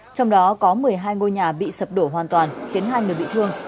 trong đó có một mươi hai ngôi nhà bị sập đổ hoàn toàn khiến hai người bị thương